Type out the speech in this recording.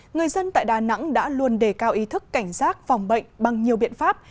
người dân tại đà nẵng đã luôn đề cao ý thức cảnh giác phòng bệnh bằng nhiều biện pháp